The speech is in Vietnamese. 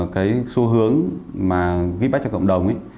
cái xu hướng mà ghi bách cho cộng đồng ấy